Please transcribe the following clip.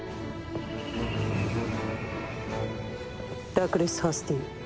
ラクレス・ハスティー。